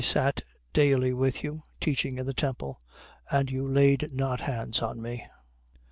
I sat daily with you, teaching in the temple: and you laid not hands on me.